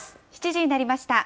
７時になりました。